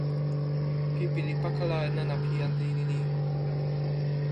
pipi li pakala e nena pi jan lili ni.